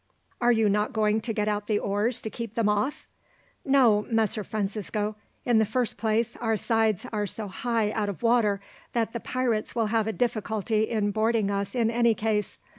"Are you not going to get out the oars to keep them off?" "No, Messer Francisco. In the first place, our sides are so high out of water that the pirates will have a difficulty in boarding us in any case.